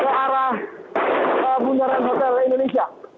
pembunyaran hotel indonesia